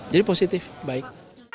jadi positif baik